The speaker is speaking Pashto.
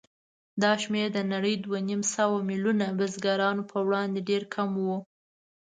دا شمېر د نړۍ دوهنیمسوه میلیونه بزګرانو په وړاندې ډېر کم و.